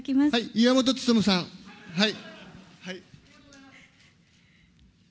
岩本勉さん、はい。